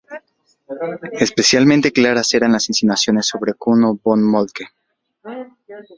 Especialmente claras eran las insinuaciones sobre Kuno von Moltke.